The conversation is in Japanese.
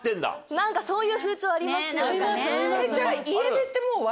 何かそういう風潮ありますよね。